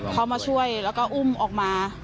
เขามาช่วยแล้วก็อุ้มออกมา